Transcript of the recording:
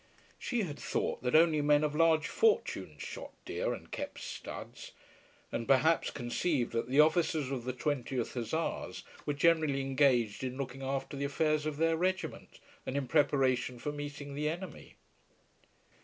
She had thought that only men of large fortunes shot deer and kept studs, and perhaps conceived that the officers of the 20th Hussars were generally engaged in looking after the affairs of their regiment, and in preparation for meeting the enemy.